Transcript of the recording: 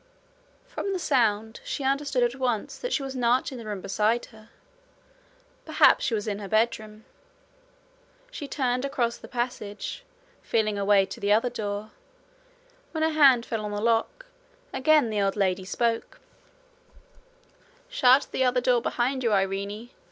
From the sound, she understood at once that she was not in the room beside her. Perhaps she was in her bedroom. She turned across the passage, feeling her way to the other door. When her hand fell on the lock, again the old lady spoke: 'Shut the other door behind you, Irene.